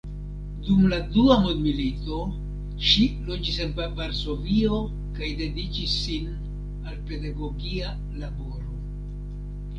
Dum la dua mondmilito ŝi loĝis en Varsovio kaj dediĉis sin al pedagogia laboro.